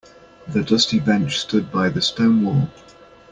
The dusty bench stood by the stone wall.